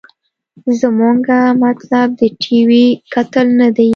زمونګه مطلوب د ټي وي کتل نه دې.